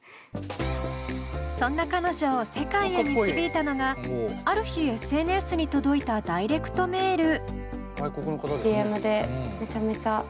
そんな彼女を世界へ導いたのがある日ＳＮＳに届いたダイレクトメール。